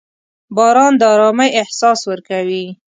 • باران د ارامۍ احساس ورکوي.